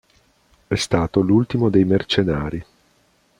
È stato l'ultimo dei mercenari".